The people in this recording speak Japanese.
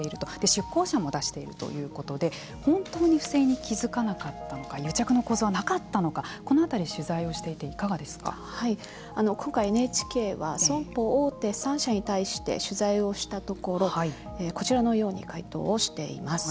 出向者も出しているということで本当に不正に気付かなかったのか癒着の構図はなかったのかこのあたり今回ＮＨＫは損保大手３社に対して取材をしたところこちらのような回答をしています。